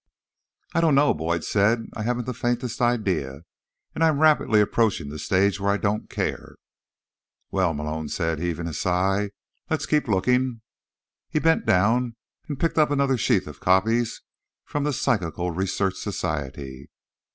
"I don't know," Boyd said. "I haven't the faintest idea. And I'm rapidly approaching the stage where I don't care." "Well," Malone said, heaving a sigh, "let's keep looking." He bent down and picked up another sheaf of copies from the Psychical Research Society.